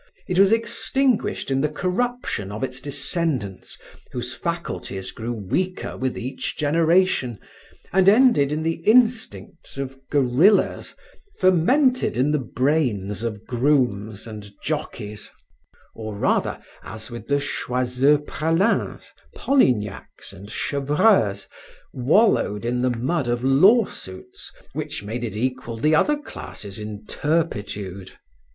It was extinguished in the corruption of its descendants whose faculties grew weaker with each generation and ended in the instincts of gorillas fermented in the brains of grooms and jockeys; or rather, as with the Choiseul Praslins, Polignacs and Chevreuses, wallowed in the mud of lawsuits which made it equal the other classes in turpitude.